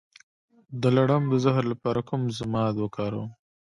د لړم د زهر لپاره کوم ضماد وکاروم؟